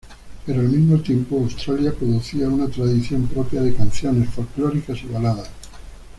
Pero, al mismo tiempo, Australia producía una tradición propia de canciones folclóricas y baladas.